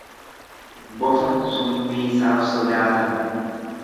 Bofa summiisaaf sodaatan.